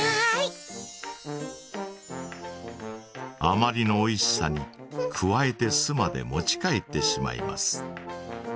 あまりのおいしさにくわえて巣まで持ち帰ってしまいます。